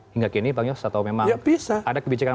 hingga kini pak nyos atau memang ada kebijakan